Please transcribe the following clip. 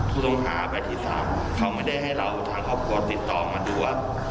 ผู้ต้องหาใบที่๓เขาไม่ได้ให้เราทางครอบครัวติดต่อมาดูว่า